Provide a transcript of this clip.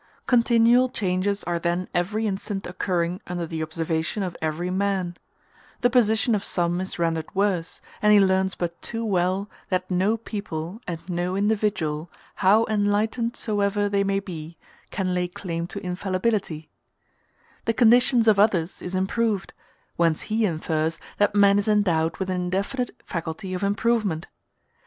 Continual changes are then every instant occurring under the observation of every man: the position of some is rendered worse; and he learns but too well, that no people and no individual, how enlightened soever they may be, can lay claim to infallibility; the condition of others is improved; whence he infers that man is endowed with an indefinite faculty of improvement.